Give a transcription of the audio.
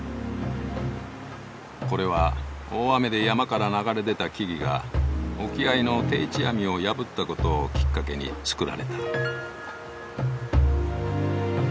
これは大雨で山から流れ出た木々が沖合の定置網を破ったことをきっかけに造られた。